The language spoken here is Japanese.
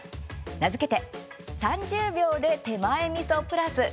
名付けて「３０秒で手前みそプラス」。